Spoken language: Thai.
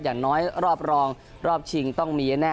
อย่างน้อยรอบรองรอบชิงต้องมีแน่